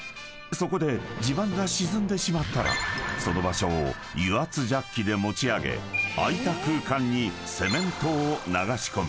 ［そこで地盤が沈んでしまったらその場所を油圧ジャッキで持ち上げ空いた空間にセメントを流し込む］